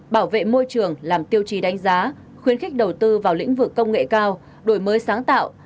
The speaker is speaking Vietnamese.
bảo vệ môi trường làm tiêu chí đánh giá khuyến khích đầu tư vào lĩnh vực công nghệ cao đổi mới sáng tạo